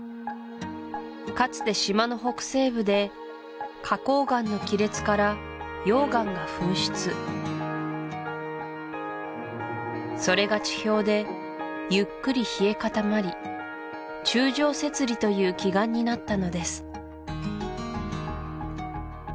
かつて島の北西部で花崗岩の亀裂から溶岩が噴出それが地表でゆっくり冷え固まり柱状節理という奇岩になったのです